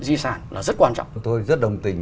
di sản là rất quan trọng chúng tôi rất đồng tình